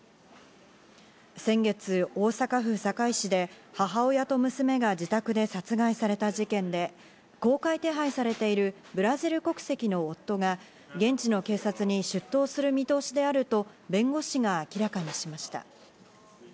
先月、大阪府堺市で母親と娘が自宅で殺害された事件で、公開手配されているブラジル国籍の夫が現地の警察に出頭する見通しであると弁護士が明らかにしました。